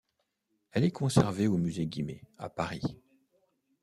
Elle est conservée au Musée Guimet, à Paris.